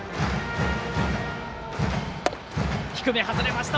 低め、外れました。